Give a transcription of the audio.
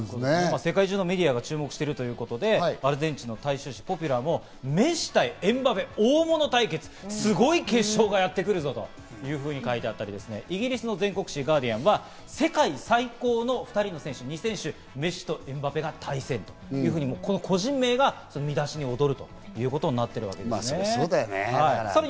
世界中のメディアが注目しているということでアルゼンチンの大衆紙ポピュラーもメッシ対エムバペ、大物対決、すごい決勝がやってくるぞ、というふうに書いてあったり、イギリスの全国紙ガーディアンは世界最高の２人の選手、メッシとエムバペが対戦というふうに、個人名が見出に踊るということになっています。